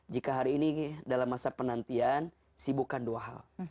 jika hari ini dalam masa penantian sibukkan dua hal